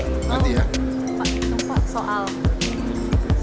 pak nunggu pak soal bisu